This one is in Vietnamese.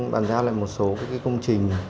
bản ra lại một số công trình